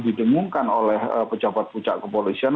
ditemukan oleh pejabat pucat kepolisian